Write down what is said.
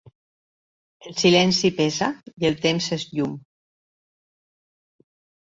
El silenci pesa i el temps és llum.